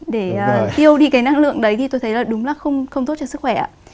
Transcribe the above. để tiêu đi cái năng lượng đấy thì tôi thấy là đúng là không tốt cho sức khỏe ạ